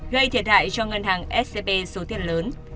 gây thiệt hại cho ngân hàng scb số tiền lớn